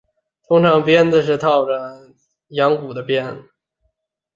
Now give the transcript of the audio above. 通常鞭子是套着铅球或羊骨的鞭。